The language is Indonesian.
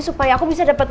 supaya aku bisa dapatkan